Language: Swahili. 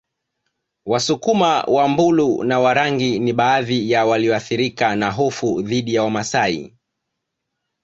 Wasukuma Wambulu na Warangi ni baadhi ya walioathirika na hofu dhidi ya Wamasai